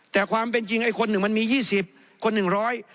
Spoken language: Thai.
แต่ความเป็นจริงไอ้คนหนึ่งมันมียี่สิบคนหนึ่งร้อย